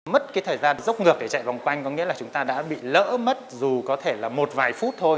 mất cái thời gian dốc ngược để chạy vòng quanh có nghĩa là chúng ta đã bị lỡ mất dù có thể là một vài phút thôi